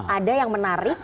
ada yang menarik